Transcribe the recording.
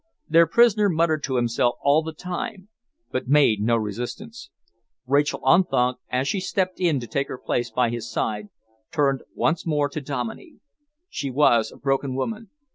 Their prisoner muttered to himself all the time, but made no resistance. Rachael Unthank, as she stepped in to take her place by his side, turned once more to Dominey. She was a broken woman.